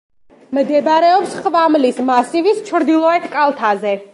მდებარეობს ხვამლის მასივის ჩრდილოეთ კალთაზე.